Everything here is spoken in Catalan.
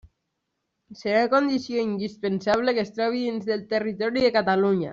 Serà condició indispensable que es trobi dins del territori de Catalunya.